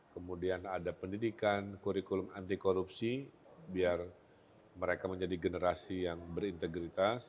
kemudian ada pendidikan kurikulum anti korupsi biar mereka menjadi generasi yang berintegritas